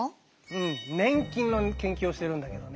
うん粘菌の研究をしてるんだけどね。